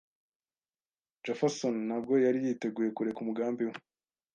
Jefferson ntabwo yari yiteguye kureka umugambi we.